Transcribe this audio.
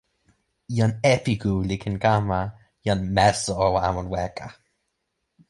jan epiku li ken kama. jan meso o awen weka.